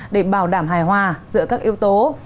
để bảo đảm hài hòa giữa các yếu tố